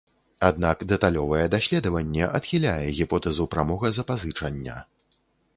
Аднак дэталёвае даследаванне адхіляе гіпотэзу прамога запазычання.